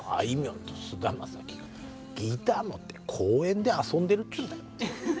んと菅田将暉がギター持って公園で遊んでるっつうんだよ。